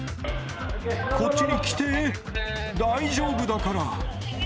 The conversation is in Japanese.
こっちに来て、大丈夫だから。